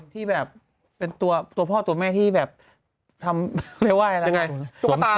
ที่เป็นทำตัวของคนที่แบบ